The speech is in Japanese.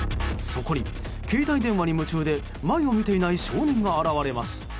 そこに携帯電話に夢中で前を見ていない少年が現れます。